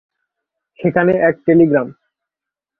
সেখানে এক টেলিগ্রাম।